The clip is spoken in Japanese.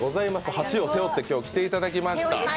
８を背負って今日は来ていただきました。